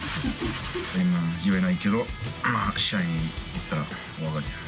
今は言えないけど、試合見たら分かるよ。